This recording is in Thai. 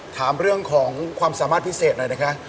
ถามเรื่องของความสามารถพิเศษหน่อยนะคะ